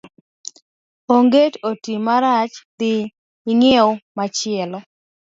Onget oti marach dhi ing'iew machielo.